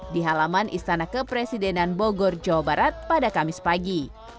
di halaman istana kepresidenan bogor jawa barat pada kamis pagi